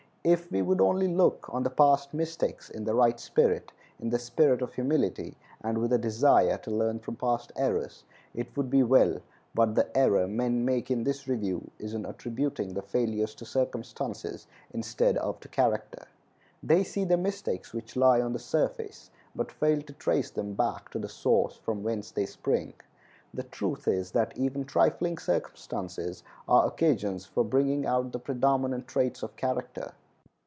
If we would only look on past mistakes in the right spirit—in the spirit of humility, and with a desire to learn from past errors—it would be well; but the error men make in this review is in attributing the failures to circumstances instead of to character. They see the mistakes which lie on the surface, but fail to trace them back to the source from whence they spring. The truth is, that even trifling circumstances are the occasions for bringing out the predominant traits of character.